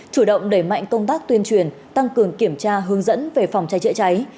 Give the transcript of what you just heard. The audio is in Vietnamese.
chủ động đẩy mạnh công tác tuyên truyền tăng cường kiểm tra hướng dẫn về phòng cháy chữa cháy